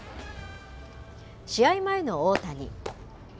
試合前の大谷。